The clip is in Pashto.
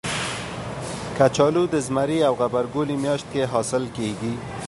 کچالو د زمري او غبرګولي میاشت کې حاصل کېږي